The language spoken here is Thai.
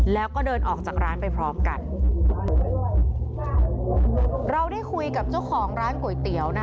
แล้วก็เดินออกจากร้านไปพร้อมกันเราได้คุยกับเจ้าของร้านก๋วยเตี๋ยวนะคะ